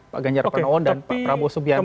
pak ganjar pranowo dan pak prabowo subianto